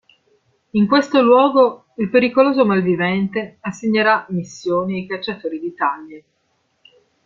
In questo luogo il pericoloso malvivente assegnerà missioni ai cacciatori di taglie.